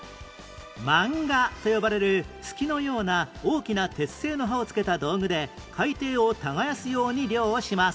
マンガと呼ばれる鋤のような大きな鉄製の歯を付けた道具で海底を耕すように漁をします